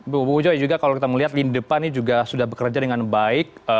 bu bung joy juga kalau kita melihat lini depan ini juga sudah bekerja dengan baik